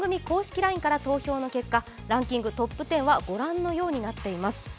ＬＩＮＥから投票の結果、ランキングトップ１０はご覧のようになっています。